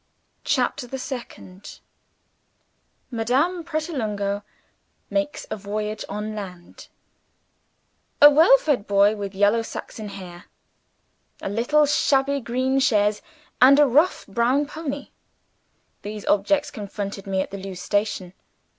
CHAPTER THE SECOND Madame Pratolungo makes a Voyage on Land A WELL FED boy, with yellow Saxon hair; a little shabby green chaise; and a rough brown pony these objects confronted me at the Lewes Station.